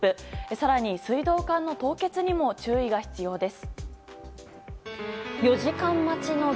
更に、水道管の凍結にも注意が必要です。